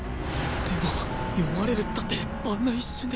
でも読まれるったってあんな一瞬で！？